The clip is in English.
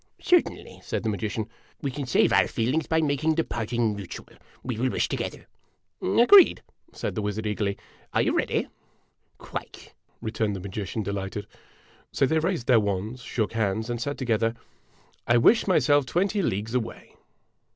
" Certainly," said the magician ;" we can save our feelings by making the parting mutual. We will wish together." "Agreed," said the wizard, eagerly. "Are you ready?' " Quite !" returned the magician, delighted. So they raised their wands, shook hands, and said together :" I wish myself twenty leagues away